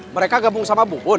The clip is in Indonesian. mereka gabung sama bubun